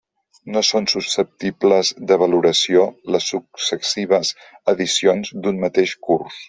No són susceptibles de valoració les successives edicions d'un mateix curs.